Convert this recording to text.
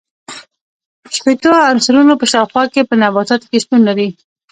شپیتو عنصرونو په شاوخوا کې په نباتاتو کې شتون لري.